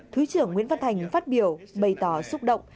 thứ trưởng nguyễn văn thành phát biểu bày tỏ xúc động